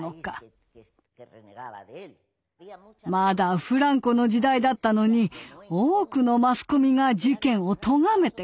まだフランコの時代だったのに多くのマスコミが事件をとがめてくれた。